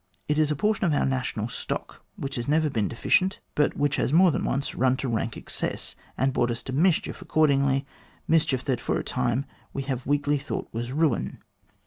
It is a portion of our national stock, which has never been deficient, but which has more than once run to rank excess, and brought us to mischief accord ingly mischief that, for a time, we have weakly thought was ruin.